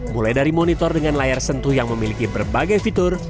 mulai dari monitor dengan layar sentuh yang memiliki berbagai fitur